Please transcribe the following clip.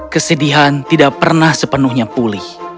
kesedihan tidak pernah sepenuhnya pulih